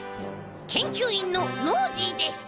けんきゅういんのノージーです。